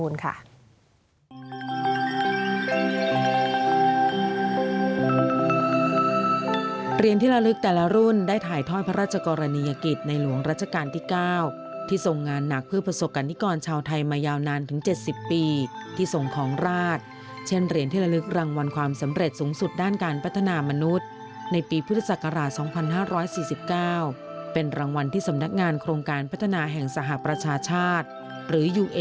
เหรียญที่ละลึกแต่ละรุ่นได้ถ่ายทอดพระราชกรณียกิจในหลวงรัชกาลที่๙ที่ทรงงานหนักเพื่อประสบกรณิกรชาวไทยมายาวนานถึง๗๐ปีที่ส่งของราชเช่นเหรียญที่ละลึกรางวัลความสำเร็จสูงสุดด้านการพัฒนามนุษย์ในปีพุทธศักราช๒๕๔๙เป็นรางวัลที่สำนักงานโครงการพัฒนาแห่งสหประชาชาติหรืออยู่